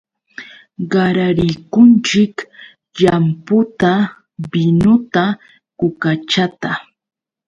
Qararikunchik llamputa, binuta, kukachata.